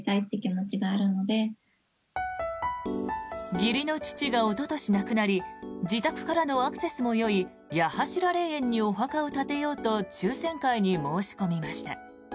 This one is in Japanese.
義理の父がおととし亡くなり自宅からのアクセスもよい八柱霊園にお墓を建てようと抽選会に申し込みました。